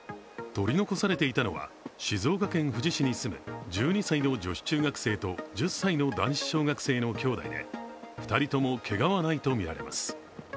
取り残されていたのは静岡県富士市に住む１２歳の女子中学生と１０歳の男子小学生のきょうだいで２人ともけがはないとみられます。